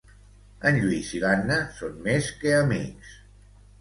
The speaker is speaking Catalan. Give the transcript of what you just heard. En Lluís i l'Anna són més que amics.